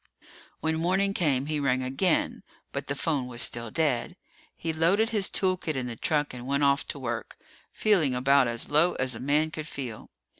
When morning came, he rang again, but the phone was still dead. He loaded his tool kit in the truck and went off to work, feeling about as low as a man could feel.